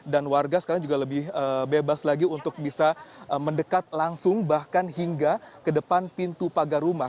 dan warga sekarang juga lebih bebas lagi untuk bisa mendekat langsung bahkan hingga ke depan pintu pagar rumah